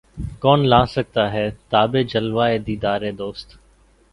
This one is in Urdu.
کون لا سکتا ہے تابِ جلوۂ دیدارِ دوست